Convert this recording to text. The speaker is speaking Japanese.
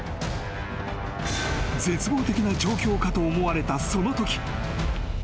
［絶望的な状況かと思われたそのとき］